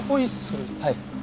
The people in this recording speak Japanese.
はい。